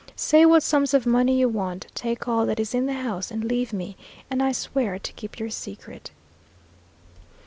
Say what sums of money you want. Take all that is in the house, and leave me, and I swear to keep your secret."